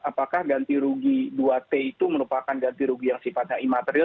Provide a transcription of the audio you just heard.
apakah ganti rugi dua t itu merupakan ganti rugi yang sifatnya imaterial